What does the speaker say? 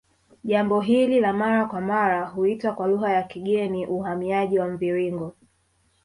Jambo hili la mara kwa mara huitwa kwa lugha ya kigeni uhamiaji wa mviringo